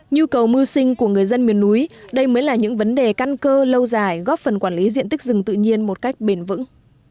nhu cầu mưu sinh của người dân miền núi đây mới là những vấn đề căn cơ lâu dài góp phần quản lý diện tích rừng tự nhiên một cách bền vững